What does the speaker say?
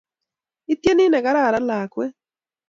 Ityeni negararan lakwet